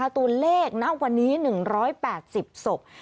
ตัวเลขณวันนี้๑๘๐ศพ